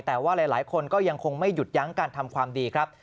แต่ว่าหลายคนก็ยังคงไม่หยุดยั้งการทำความดีครับ